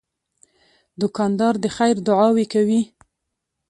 دوکاندار د خیر دعاوې کوي.